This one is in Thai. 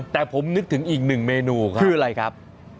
แต่ผมนึกถึงอีกหนึ่งเมนูครับคืออะไรครับ